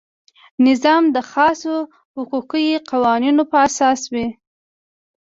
نظام د خاصو حقوقي قوانینو په اساس وي.